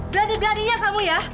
badi badinya kamu ya